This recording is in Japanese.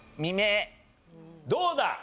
どうだ？